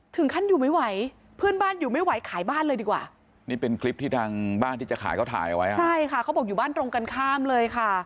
ถึงขั้นอยู่ไม่ไหวเพื่อนบ้านอยู่ไม่ไหวขายบ้านเลยดีกว่านี่เป็นคลิปที่ทางบ้านที่จะขายเขาถ่ายเอาไว้อ่ะใช่ค่ะเขาบอกอยู่บ้านตรงกันข้ามเลยค่ะ